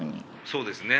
そうですね。